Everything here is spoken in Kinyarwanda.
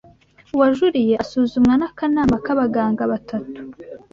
Uwajuliye asuzumwa n'akanama k'abaganga batatu